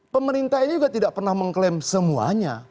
pemerintah ini juga tidak pernah mengklaim semuanya